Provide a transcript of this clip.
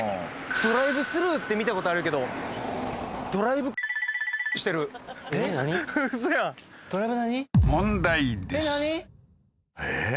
ドライブスルーって見たことあるけどドライブしてるウソやんドライブ何？ええー？